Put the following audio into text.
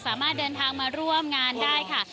สามารถเดินทางมาร่วมงานได้ค่ะ